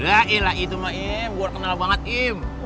ya iya lah itu mah gue kenal banget im